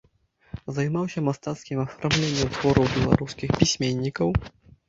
Займаўся мастацкім афармленнем твораў беларускіх пісьменнікаў.